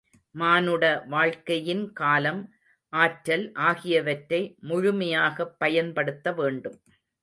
மானுட வாழ்க்கையின் காலம், ஆற்றல் ஆகியவற்றை முழுமையாகப் பயன்படுத்த வேண்டும்.